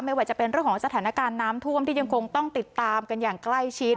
ว่าจะเป็นเรื่องของสถานการณ์น้ำท่วมที่ยังคงต้องติดตามกันอย่างใกล้ชิด